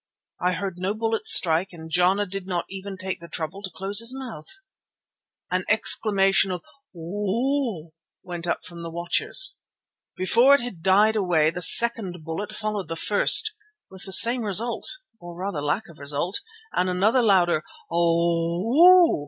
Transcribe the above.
I heard no bullet strike and Jana did not even take the trouble to close his mouth. An exclamation of "O oh!" went up from the watchers. Before it had died away the second bullet followed the first, with the same result or rather lack of result, and another louder "O oh!"